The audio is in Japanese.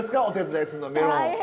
お手伝いするのメロン。